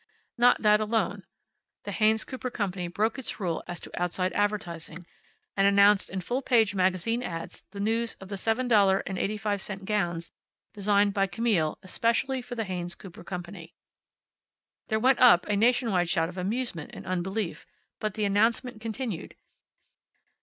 Not that alone, the Haynes Cooper company broke its rule as to outside advertising, and announced in full page magazine ads the news of the $7.85 gowns designed by Camille especially for the Haynes Cooper company. There went up a nationwide shout of amusement and unbelief, but the announcement continued.